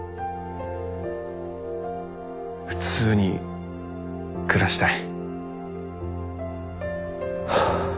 普通に暮らしたい。